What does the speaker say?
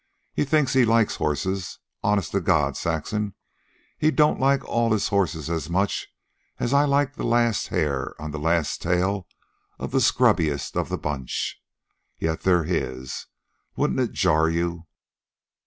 He thinks he likes horses. Honest to God, Saxon, he don't like all his horses as much as I like the last hair on the last tail of the scrubbiest of the bunch. Yet they're his. Wouldn't it jar you?"